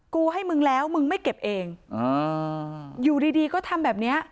กูให้มึงแล้วมึงไม่เก็บเองอ่าอยู่ดีดีก็ทำแบบเนี้ย